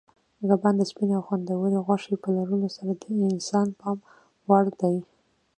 کبان د سپینې او خوندورې غوښې په لرلو د انسان پام وړ دي.